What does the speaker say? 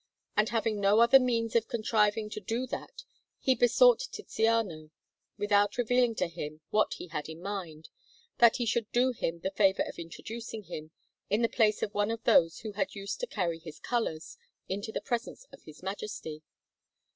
And having no other means of contriving to do that, he besought Tiziano, without revealing to him what he had in mind, that he should do him the favour of introducing him, in the place of one of those who used to carry his colours, into the presence of his Majesty.